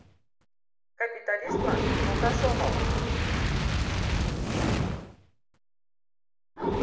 — Капиталистлан йолташ омыл!..